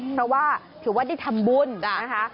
เพราะว่าถือว่าได้ทำบุญนะคะ